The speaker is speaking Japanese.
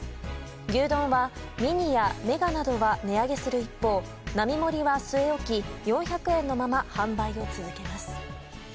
牛丼はミニやメガなどは値上げする一方並盛は据え置き４００円のまま販売を続けます。